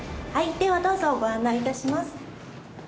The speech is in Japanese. ではどうぞご案内いたします。